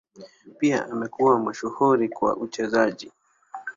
Pia amekuwa mashuhuri kwa uchezaji.